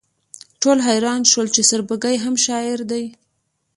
ټول حیران شول چې سوربګی هم شاعر دی